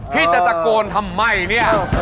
พี่จะตะโกนทำไมเนี่ย